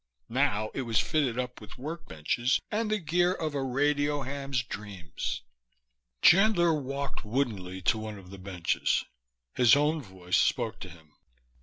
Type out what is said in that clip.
Now it was fitted up with workbenches and the gear of a radio ham's dreams. Chandler walked woodenly to one of the benches. His own voice spoke to him.